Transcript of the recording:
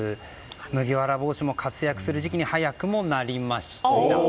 麦わら帽子も活躍する時期に早くもなりました。